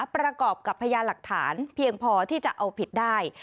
ประกอบกับพยานหลักฐานเพียงพอที่จะเอาผิดได้